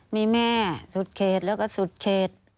มีแม่สุดเขตแล้วก็สุดเขต